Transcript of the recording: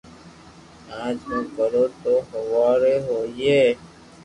اج مون ڪرو تو ھواري ھوئي